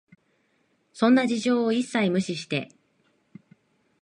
そんな事情を一切無視して、